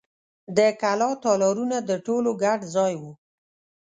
د کلا تالارونه د ټولو ګډ ځای و.